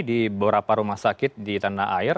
di beberapa rumah sakit di tanah air